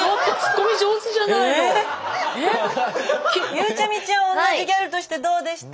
ゆうちゃみちゃんは同じギャルとしてどうでした？